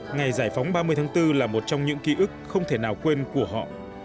ngày giải phóng ba mươi tháng bốn là một trong những ký ức không thể nào quên của họ